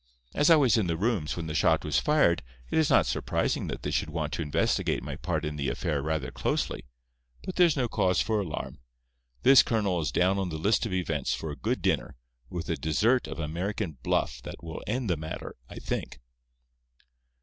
As I was in the rooms when the shot was fired, it is not surprising that they should want to investigate my part in the affair rather closely. But there's no cause for alarm. This colonel is down on the list of events for a good dinner, with a dessert of American 'bluff' that will end the matter, I think."